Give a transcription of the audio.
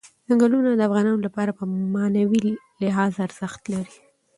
ځنګلونه د افغانانو لپاره په معنوي لحاظ ارزښت لري.